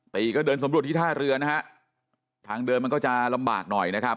ก็เดินสำรวจที่ท่าเรือนะฮะทางเดินมันก็จะลำบากหน่อยนะครับ